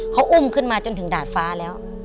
เขาอุ้มขึ้นมาจนถึงดาดฟ้าแล้ว